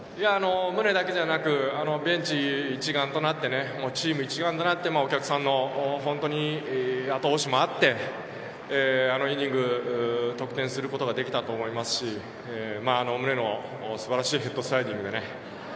ムネだけじゃなくベンチ一丸となってチーム一丸となって本当にお客さんの後押しもあってあのイニング、得点することができたと思いますしムネの素晴らしいヘッドスライディング。